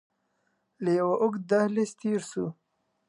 له يوه اوږد دهليزه تېر سو.